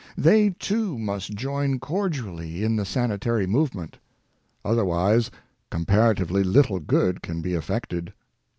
They, too, must join cordially in the sanitary movement; other wise comparatively little good can be effected.